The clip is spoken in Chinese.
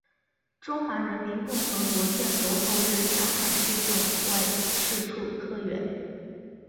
中华人民共和国建国后任上海市政府外事处科员。